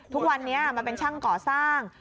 ทุกวันนี้มาเป็นช่างก่อสร้าง